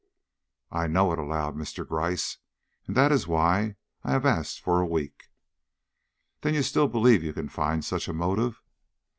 "I know it," allowed Mr. Gryce, "and that is why I have asked for a week." "Then you still believe you can find such a motive?"